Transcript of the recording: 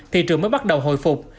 thị trường mới bắt đầu hồi phục